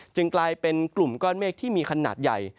กลายเป็นกลุ่มก้อนเมฆที่มีขนาดใหญ่